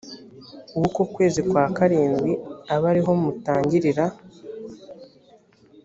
w uko kwezi kwa karindwi abe ari ho mutangirira